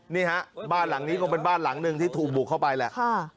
นี่ฮะบ้านหลังนี้คงเป็นบ้านหลังหนึ่งที่ถูกบุกเข้าไปแหละ